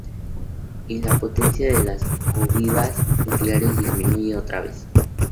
Y la potencia de las ojivas nucleares disminuye otra vez.